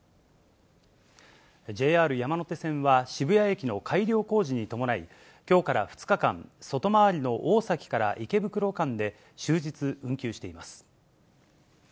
ＪＲ山手線は、渋谷駅の改良工事に伴い、きょうから２日間、外回りの大崎から池袋間で、終日運休しています。